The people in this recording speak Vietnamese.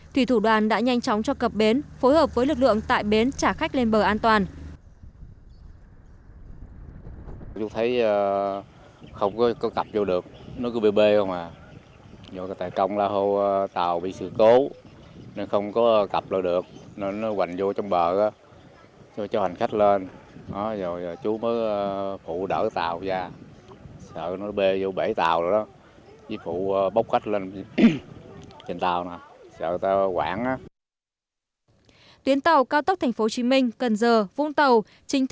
thủy thủ đoàn đã nhanh chóng cho cập bến phối hợp với lực lượng tại bến trả khách lên bờ an toàn